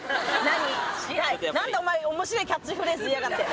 何だお前面白いキャッチフレーズ言いやがって。